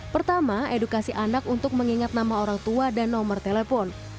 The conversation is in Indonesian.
pertama edukasi anak untuk mengingat nama orang tua dan nomor telepon